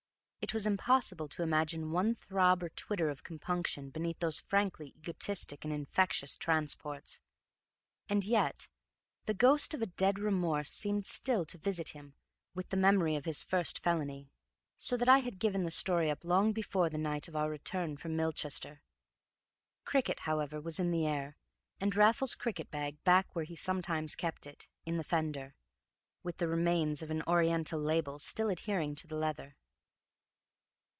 It was impossible to imagine one throb or twitter of compunction beneath those frankly egotistic and infectious transports. And yet the ghost of a dead remorse seemed still to visit him with the memory of his first felony, so that I had given the story up long before the night of our return from Milchester. Cricket, however, was in the air, and Raffles's cricket bag back where he sometimes kept it, in the fender, with the remains of an Orient label still adhering to the leather.